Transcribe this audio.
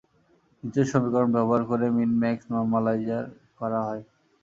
নিচের সমীকরন ব্যবহার করে মিন-ম্যাক্স নরমালাইজার করা হয়।